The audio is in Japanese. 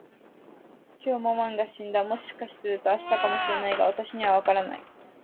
きょう、ママンが死んだ。もしかすると、昨日かも知れないが、私にはわからない。